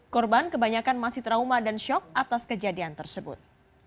korban kebanyakan masih trauma dan shock atas kejadian tersebut